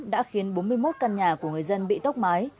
đã khiến bốn mươi một căn nhà của người dân bị tốc mái